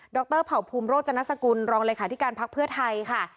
ดรผ่าวภูมิโรจนัสกุลรองเลยค่ะที่การพักเพื่อไทยค่ะ